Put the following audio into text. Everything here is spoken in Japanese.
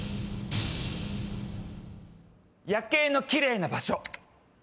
夜景のきれいな場所。